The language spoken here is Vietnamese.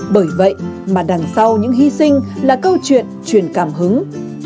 bởi vậy mà đằng sau những hy sinh là câu chuyện truyền cảm hứng